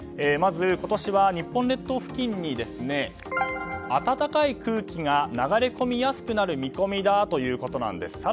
まず今年は日本列島付近に暖かい空気が流れ込みやすくなる見込みだということです。